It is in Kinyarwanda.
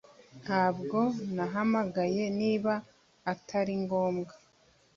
Ntabwo nahamagaye niba atari ngombwa